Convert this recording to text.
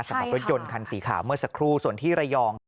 สำหรับรถยนต์คันสีขาวเมอร์สะครูส่วนที่ระยอง